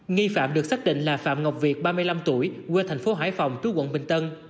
nghi phạm được xác định là phạm ngọc việt ba mươi năm tuổi quê thành phố hải phòng trú quận bình tân